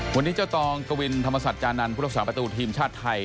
วันนี้เจ้าตองกวินธรรมศัตริย์จานัลพุทธศาสตร์ประตูทีมชาติไทย